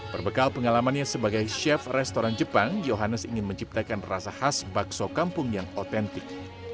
berbekal pengalamannya sebagai chef restoran jepang johannes ingin menciptakan rasa khas bakso kampung yang otentik